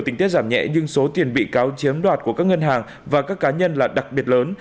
tình tiết giảm nhẹ nhưng số tiền bị cáo chiếm đoạt của các ngân hàng và các cá nhân là đặc biệt lớn